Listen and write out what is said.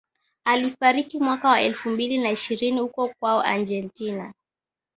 Alifariki mwaka wa elfu mbili na ishirini huko kwao Argentina